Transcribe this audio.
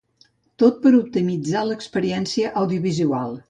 Tot per optimitzar l'experiència audiovisual.